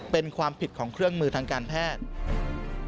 เป็นความผิดของเครื่องมือทางการแพทย์